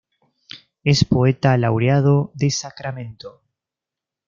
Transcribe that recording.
Es poeta laureado de Sacramento.